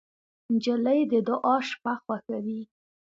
نجلۍ د دعا شپه خوښوي.